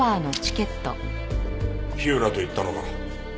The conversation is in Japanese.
火浦と行ったのか？